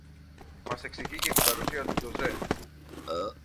Μας εξηγεί και την παρουσία του Τζοτζέ